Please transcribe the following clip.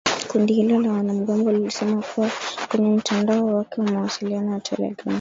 Kundi hilo la wanamgambo lilisema kwenye mtandao wake wa mawasiliano ya telegram